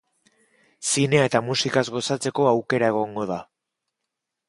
Zinea eta musikaz gozatzeko aukera egongo da.